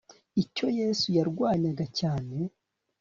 icyo yesu yarwanyaga cyane